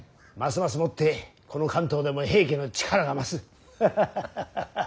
ますますもってこの関東でも平家の力が増す。